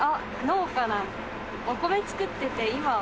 お米作ってて今は。